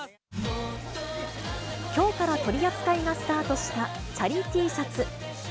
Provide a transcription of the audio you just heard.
きょうから取り扱いがスタートした、チャリＴシャツ。